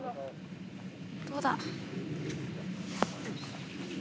どうだ？